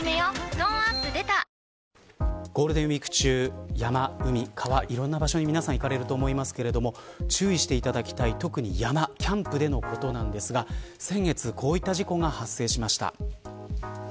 トーンアップ出たゴールデンウイーク中山、海、川いろんな場所に皆さん、行かれると思いますが注意していただきたい特に山キャンプでのことなんですが先月こういった事故が発生しました。